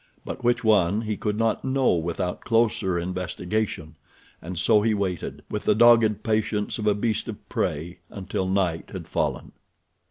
But which one he could not know without closer investigation, and so he waited, with the dogged patience of a beast of prey, until night had fallen.